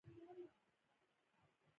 د بازار او کورونو ړنګ دېوالونه لوګو وهلي ول.